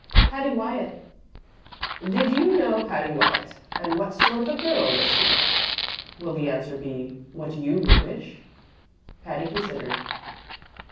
"Patty Wyatt." "'Did you know Patty Wyatt, and what sort of a girl was she?' will the answer be what you would wish?" Patty considered.